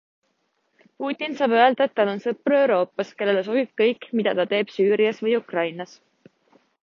Putin saab öelda, et tal on sõpru Euroopas, kellele sobib kõik, mida ta teeb Süürias või Ukrainas.